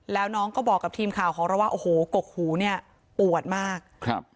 แล้วน้องก็บอกกับทีมข่าวของเราว่าโอ้โหกกหูเนี่ยปวดมากครับ